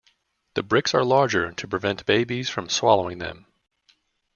The bricks are larger to prevent babies from swallowing them.